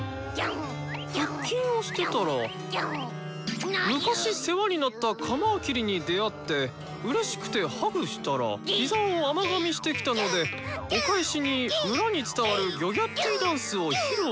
「腹筋をしてたら昔世話になったカ魔キリに出会ってうれしくてハグしたら膝を甘がみしてきたのでお返しに村に伝わるギョギャッティダンスを披露した」。